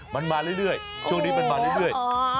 มันมาเรื่อยช่วงนี้มันมาเรื่อย